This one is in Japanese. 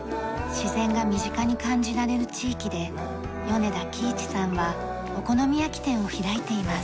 自然が身近に感じられる地域で米田喜一さんはお好み焼き店を開いています。